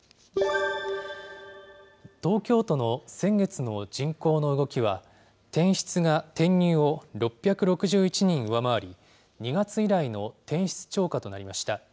東京都の先月の人口の動きは、転出が転入を６６１人上回り、２月以来の転出超過となりました。